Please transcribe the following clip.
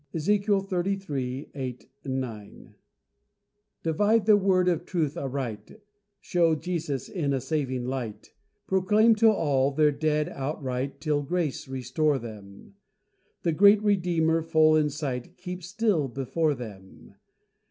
{237a} Divide the word of truth aright, Show Jesus in a saving light, Proclaim to all they're dead outright Till Grace restore them: {237b} The great Redeemer, full in sight, Keep still before them.